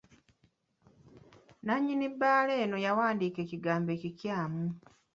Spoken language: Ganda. Nannyini bbaala eno yawandiika ekigambo ekikyamu.